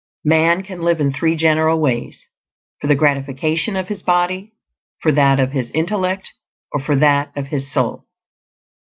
Man can live in three general ways: for the gratification of his body, for that of his intellect, or for that of his soul.